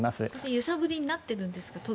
揺さぶりになっているんですか。